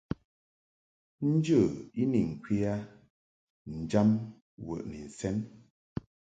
Njə i ni ŋkwe a njam wəʼni nsɛn.